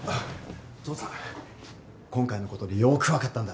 父さん今回のことでよく分かったんだ。